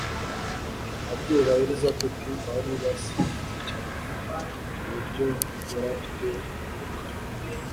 ababyeyi ba elizabeth bari basinze cyane ku buryo yari afite ubukana